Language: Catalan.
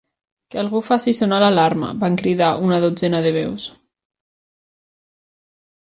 "Que algú faci sonar l'alarma!" van cridar una dotzena de veus.